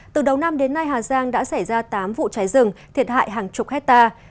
từ đầu năm đến nay hà giang đã xảy ra tám vụ cháy rừng thiệt hại hàng chục hectare